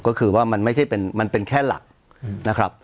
ก็คือว่ามันเป็นแค่หลัก